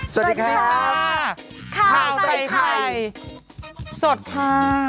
สวัสดีค่ะ